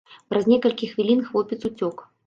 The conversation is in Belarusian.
Праз некалькі хвілін хлопец уцёк.